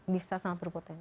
bisa sangat berpotensi